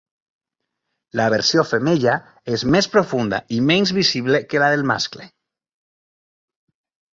La versió femella és més profunda i menys visible que la del mascle.